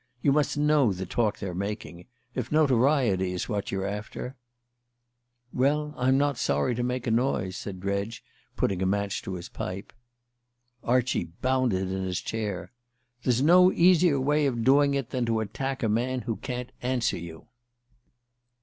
You must know the talk they're making. If notoriety is what you're after " "Well, I'm not sorry to make a noise," said Dredge, putting a match to his pipe. Archie bounded in his chair. "There's no easier way of doing it than to attack a man who can't answer you!"